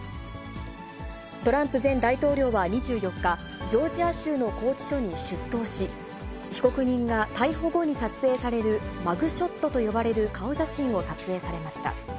トランプ前大統領は２４日、ジョージア州の拘置所に出頭し、被告人が逮捕後に撮影されるマグショットと呼ばれる顔写真を撮影されました。